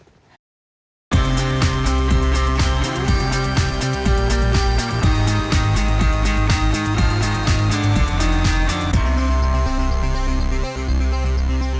โปรดติดตามตอนต่อไป